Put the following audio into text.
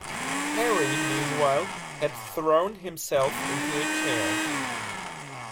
Harry meanwhile had thrown himself into a chair.